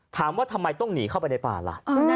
ถามว่าทำไมต้องหนีเข้าไปในป่าล่ะ